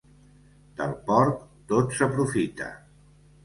Del porc, tot s'aprofita.